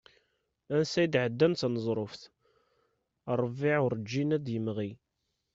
Ansa i d-ɛeddan d taneẓruft, rrbiɛ urǧin ad d-yemɣi.